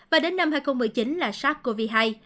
và đến năm hai nghìn một mươi chín là sars cov hai